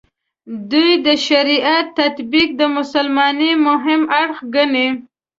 دوی د شریعت تطبیق د مسلمانۍ مهم اړخ ګڼي.